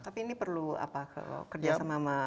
tapi ini perlu apa kerja sama